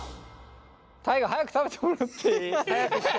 大我早く食べてもらっていい？早く！